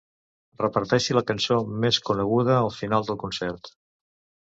Repeteixi la cançó més coneguda al final del concert.